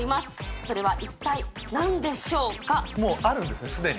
それは一体なんでしもうあるんですね、すでに。